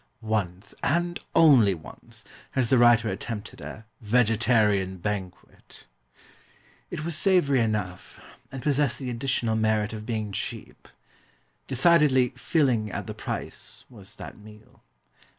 Once, and only once, has the writer attempted a Vegetarian Banquet. It was savoury enough; and possessed the additional merit of being cheap. Decidedly "filling at the price" was that meal.